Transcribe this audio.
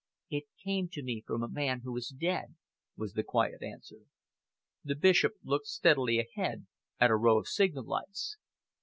"It came to me from a man who is dead," was the quiet answer. The Bishop looked steadily ahead at the row of signal lights.